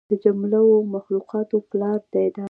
د جمله و مخلوقاتو پلار دى دا.